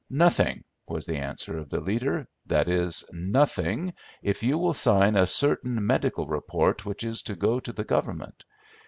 "'Nothing,' was the answer of the leader; 'that is, nothing, if you will sign a certain medical report which is to go to the Government.